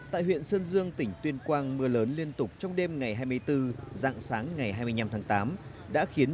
tại huyện sơn dương tỉnh tuyên quang mưa lớn liên tục trong đêm ngày hai mươi bốn dạng sáng ngày hai mươi năm tháng tám đã khiến